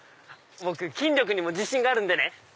僕筋力にも自信があるんでね。